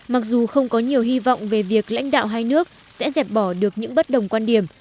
mặc dù không có nhiều hy vọng về việc lãnh đạo hai nước sẽ dẹp bỏ được những bất đồng quan điểm